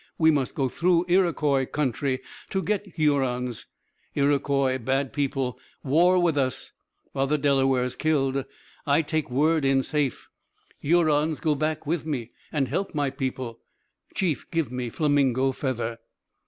We must go through Iroquois country to get Hurons. Iroquois bad people, war with us. Other Delawares killed, I take word in safe. Hurons go back with me, and help my people. Chief give me flamingo feather."